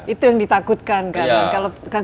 itu yang ditakutkan kan